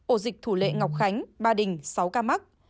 ổ dịch thủ lệ ngọc khánh ba đình sáu ca mắc